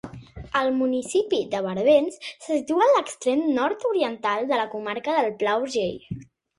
El municipi de Barbens se situa en l'extrem nord-oriental de la comarca del Pla d'Urgell.